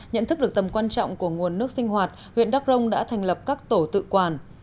nhận thức được tầm quan trọng của nguồn nước sinh hoạt huyện đắc rông đã thành lập các tổ tự quản